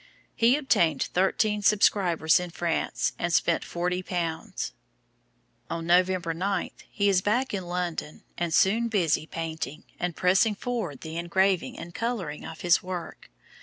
He obtained thirteen subscribers in France and spent forty pounds. On November 9, he is back in London, and soon busy painting, and pressing forward the engraving and colouring of his work.